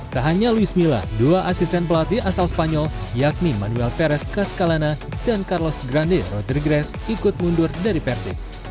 tak hanya luis mila dua asisten pelatih asal spanyol yakni manuel perez cascalana dan carlos grande rotir grace ikut mundur dari persib